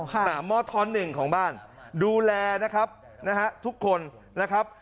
หมอท้อนหนึ่งของบ้านดูแลนะครับทุกคนนะครับ